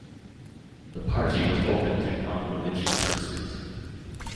The party was open to non-religious persons.